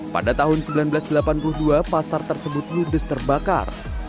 pada tahun seribu sembilan ratus delapan puluh dua pasar tersebut ludes terbakar